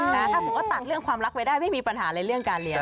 ถ้าสมมุติตัดเรื่องความรักไปได้ไม่มีปัญหาเลยเรื่องการเรียน